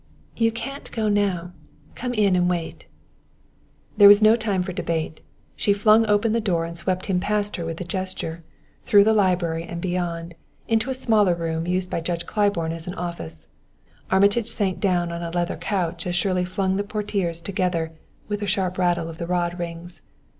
"You can't go now; come in and wait." There was no time for debate. She flung open the door and swept him past her with a gesture through the library and beyond, into a smaller room used by Judge Claiborne as an office. Armitage sank down on a leather couch as Shirley flung the portieres together with a sharp rattle of the rod rings.